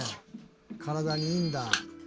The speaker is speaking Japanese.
体にいいんだ。